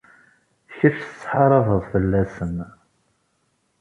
Kečč tettḥarabeḍ fell-asen.